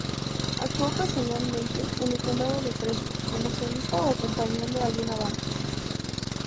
Actuó ocasionalmente en el Condado de Fresno, como solista o acompañando a alguna banda.